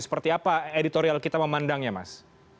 seperti apa editorial kita memandangnya mas